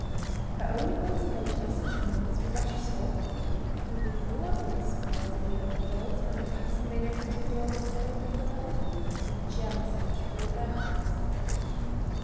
Her only consolation at such moments was that she saw, through the elaborate smiles of the other girls when in passing they noticed her door thus doubly guarded, the jealousy which filled their hearts.